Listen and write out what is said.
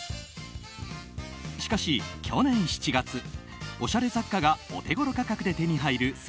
しかし、去年７月おしゃれ雑貨がお手頃価格で手に入る